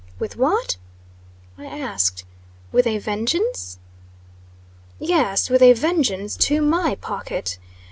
"With what?" I asked. "With a vengeance?" "Yes, with a vengeance to my pocket.